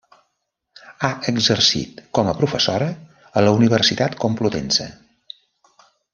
Ha exercit com a professora a la Universitat Complutense.